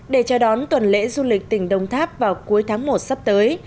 để chào đón tuần lễ du lịch tỉnh đồng tháp vào cuối tháng một sắp tới